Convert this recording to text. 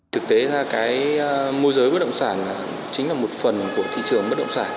thực tế là cái môi giới bất động sản chính là một phần của thị trường bất động sản